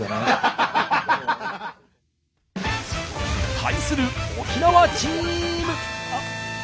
対する沖縄チーム！